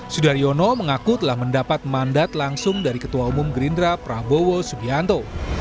sudaryono mengaku telah mendapat mandat langsung dari ketua umum gerindra prabowo subianto